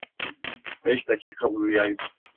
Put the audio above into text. Beş dakika uyuyayım!